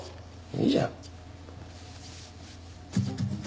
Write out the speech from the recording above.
いいじゃん。